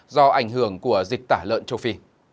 do ảnh hưởng của dịch tả lợn châu phi